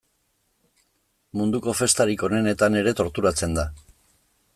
Munduko festarik onenetan ere torturatzen da.